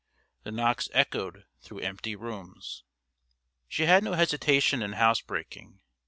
The knocks echoed through empty rooms. She had no hesitation in house breaking.